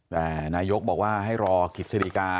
แต่นายกบอกว่าให้รอกิจสดีกา